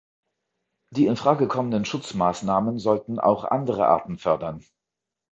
Die in Frage kommenden Schutzmaßnahmen sollten auch andere Arten fördern.